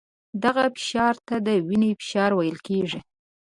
دغه فشار ته د وینې فشار ویل کېږي.